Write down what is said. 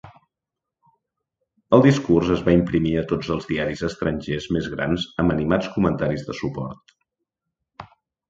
El discurs es va imprimir a tots els diaris estrangers més grans amb animats comentaris de suport.